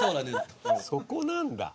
そこなんだ。